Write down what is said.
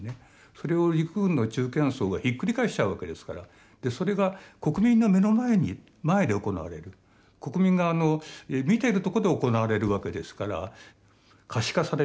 それを陸軍の中堅層がひっくり返しちゃうわけですからそれが国民の目の前で行われる国民が見てるとこで行われるわけですから。